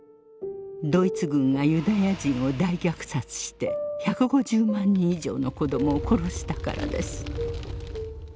ドイツ軍がユダヤ人を大虐殺して１５０万人以上の子どもを殺したからです。